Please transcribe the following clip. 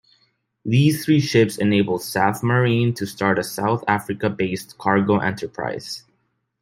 These three ships enabled Safmarine to start a South Africa-based cargo enterprise.